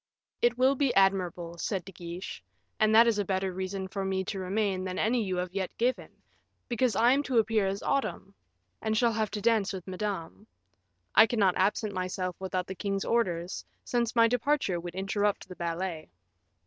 "It will be admirable," said De Guiche; "and that is a better reason for me to remain than any you have yet given, because I am to appear as Autumn, and shall have to dance with Madame. I cannot absent myself without the king's orders, since my departure would interrupt the ballet."